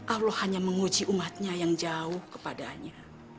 allah hanya menguji umatnya yang jauh kepadanya